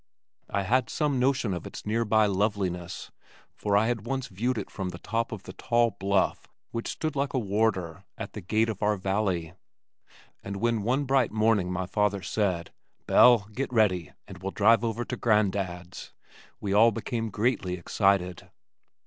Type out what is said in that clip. I had some notion of its near by loveliness for I had once viewed it from the top of the tall bluff which stood like a warder at the gate of our valley, and when one bright morning my father said, "Belle, get ready, and we'll drive over to Grandad's," we all became greatly excited.